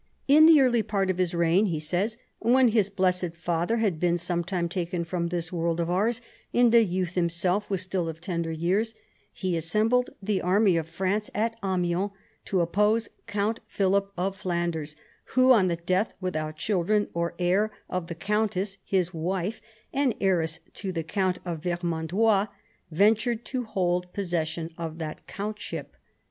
"In the early part of his reign," he says, "when his blessed father had been some time taken from this world of ours and the youth himself was still of tender years, he assembled the army of France at Amiens to oppose Count Philip of Flanders, who, on the death, without children or heir, of the countess, his wife, and heiress to the count of Vermandois, ventured to hold possession of that countship.